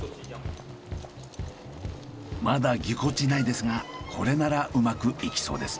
まだぎこちないですがこれならうまくいきそうです。